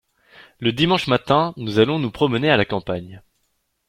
Le dimanche matin nous allons nous promener à la campagne.